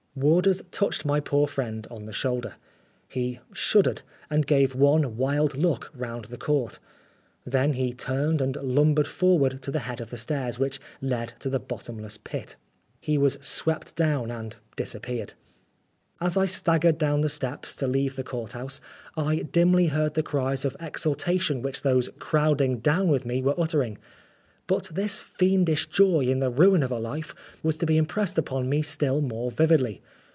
Warders touched my poor friend on the shdulder. He shuddered and gave one wild look round the Court Then he turned and lumbered forward to the head of the stairs which led to the bottom less pit. He was swept down and dis appeared. As I staggered down the steps to leave the court house, I dimly heard the cries of exultation which those crowding down with 191 Oscar Wilde me were uttering. But this fiendish joy in the ruin of a life was to be impressed upon me still more vividly.